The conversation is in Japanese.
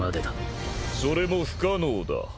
それも不可能だ。